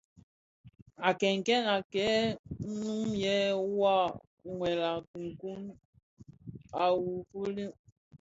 À kenken à këë kun à wuwà wëll, à kunkun à wu filo.